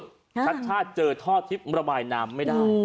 ชัดชาติเจอท่อทิพย์ระบายน้ำไม่ได้